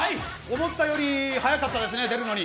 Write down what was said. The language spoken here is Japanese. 思ったより早かったですね、出るのに。